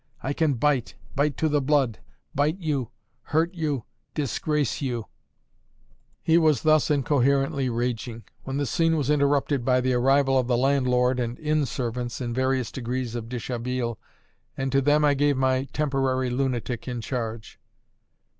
I can bite, bite to the blood, bite you, hurt you, disgrace you ..." He was thus incoherently raging, when the scene was interrupted by the arrival of the landlord and inn servants in various degrees of deshabille, and to them I gave my temporary lunatic in charge.